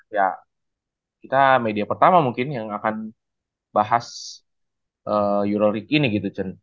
ya kita media pertama mungkin yang akan bahas eurolik ini gitu